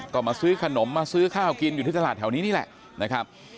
ก็มาซื้อขนมมาซื้อข้าวกินอยู่ที่ตลาดแถวนี้นี่แหละนะครับ